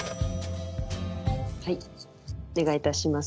はいお願いいたします。